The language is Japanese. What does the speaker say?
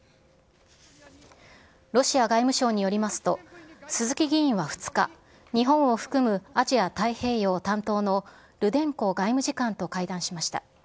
ロシア外務省によりますと、鈴木議員は２日、日本を含むアジア太平洋担当の、ルデンコ外務次官と会談しました。